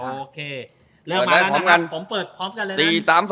โอเคเริ่มมากันนะครับผมเปิดพร้อมกันเลยนะ